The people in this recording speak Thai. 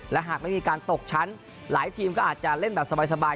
และหากไม่มีการตกชั้นหลายทีมก็อาจจะเล่นแบบสบาย